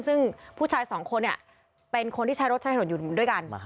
ซึ่งผู้ชายสองคนเป็นคนที่ใช้รถใช้ถนนอยู่ด้วยกัน